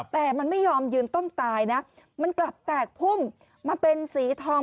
แต่มันไม่ยอมยืนต้นตายนะมันกลับแตกพุ่มมาเป็นสีทอง